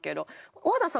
小和田さん。